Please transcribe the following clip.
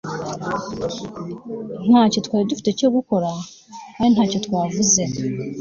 Ntacyo twari dufite cyo gukora kandi ntacyo twavuze